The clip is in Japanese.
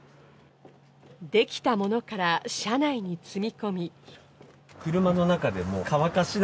できたものから車内に積み込み。